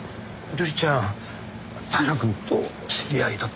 瑠璃ちゃん平くんと知り合いだったの？